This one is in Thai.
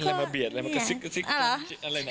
อะไรมาเบียกอะไรมากสิ๊กอะไรนะ